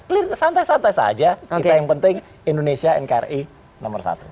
clear santai santai saja kita yang penting indonesia nkri nomor satu